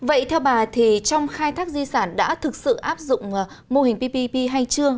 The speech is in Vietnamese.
vậy theo bà thì trong khai thác di sản đã thực sự áp dụng mô hình ppp hay chưa